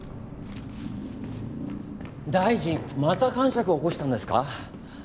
大臣またかんしゃく起こしたんですか？